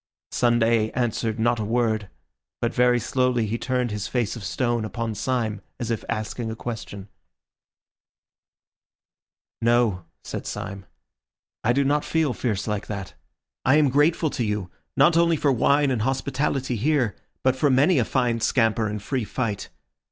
Sunday answered not a word, but very slowly he turned his face of stone upon Syme as if asking a question. "No," said Syme, "I do not feel fierce like that. I am grateful to you, not only for wine and hospitality here, but for many a fine scamper and free fight.